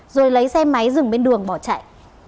rồi lấy xe máy dừng bên đường bỏ chạy